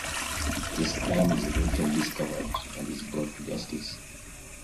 His crime is eventually discovered and he's brought to justice.